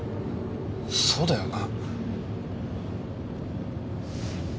そうだよな。